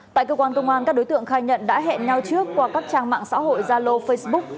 tại cơ quan công an các đối tượng khai nhận đã hẹn nhau trước qua các trang mạng xã hội zalo facebook